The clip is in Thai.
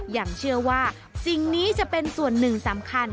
ยังเชื่อว่าสิ่งนี้จะเป็นส่วนหนึ่งสำคัญ